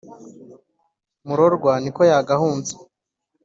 murorwa ni ko yagahunze